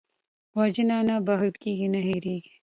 وژنه نه بښل کېږي، نه هېرېږي